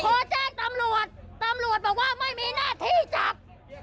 โทรแจ้งตำรวจตำรวจบอกว่าไม่มีหน้าที่จับ